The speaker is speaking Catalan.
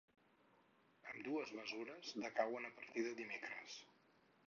Ambdues mesures decauen a partir de dimecres.